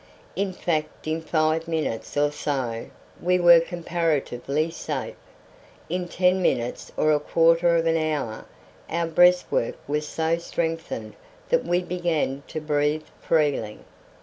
In fact in five minutes or so we were comparatively safe; in ten minutes or a quarter of an hour our breastwork was so strengthened that we began to breathe freely.